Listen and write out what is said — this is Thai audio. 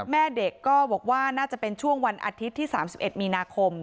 แม่เด็กก็บอกว่าน่าจะเป็นช่วงวันอาทิตย์ที่๓๑มีนาคม